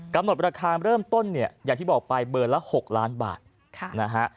กำหนดราคาเริ่มต้นเนี่ยอย่างที่บอกไปเบอร์ละ๖ล้านบาทนะฮะ